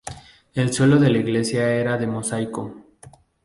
El suelo de la iglesia era de mosaico.